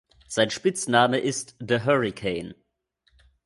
Sein Spitzname ist "The Hurrican".